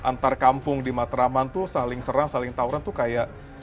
antar kampung di matraman tuh saling serang saling tawuran tuh kayak